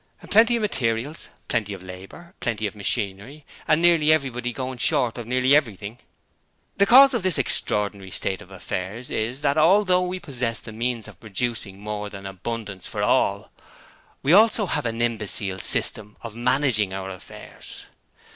'Plenty of materials Plenty of Labour Plenty of Machinery and, nearly everybody going short of nearly everything! 'The cause of this extraordinary state of affairs is that although we possess the means of producing more than abundance for all, we also have an imbecile system of managing our affairs.